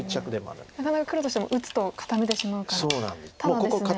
なかなか黒としても打つと固めてしまうから。